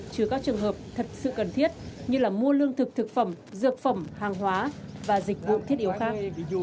chứa các trường hợp thật sự cần thiết như mua lương thực thực phẩm dược phẩm hàng hóa và dịch vụ thiết yếu khác